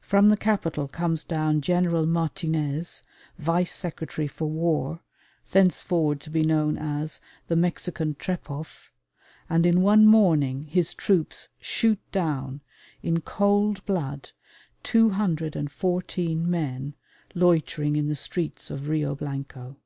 From the capital comes down General Martinez, Vice Secretary for War, thenceforward to be known as "the Mexican Trepoff," and in one morning his troops shoot down in cold blood 214 men loitering in the streets of Rio Blanco.